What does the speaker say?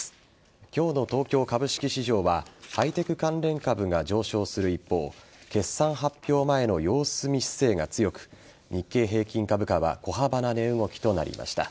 今日の東京株式市場はハイテク関連株が上昇する一方決算発表前の様子見姿勢が強く日経平均株価は小幅な値動きとなりました。